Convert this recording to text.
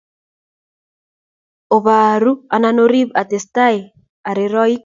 Oboro anan oribo atestai areriok?